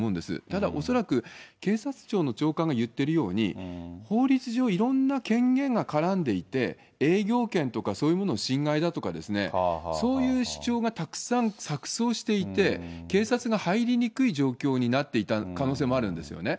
ただ、恐らく警察庁の長官が言ってるように、法律上、いろんな権限が絡んでいて、営業権とかそういうものを侵害だとか、そういう主張がたくさん錯そうしていて、警察が入りにくい状況になっていた可能性もあるんですよね。